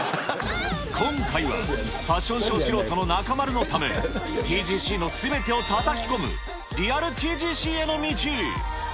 今回はファッションショー素人の中丸のため、ＴＧＣのすべてをたたき込む、リアルＴＧＣへの道。